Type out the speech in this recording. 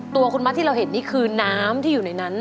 ตัวคุณมัดที่เราเห็นนี่คือน้ำที่อยู่ในนั้น